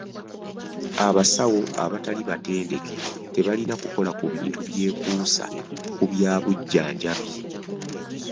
Abasawo abatali batendeke tebalina kukola ku bintu byekuusa ku bya bujjanjabi.